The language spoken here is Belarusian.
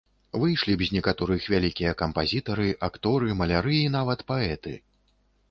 Выйшлі б з некаторых вялікія кампазітары, акторы, маляры і нават паэты.